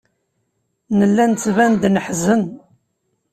Nella nettban-d neḥzen.